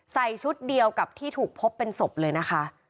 ชุดเดียวกับที่ถูกพบเป็นศพเลยนะคะ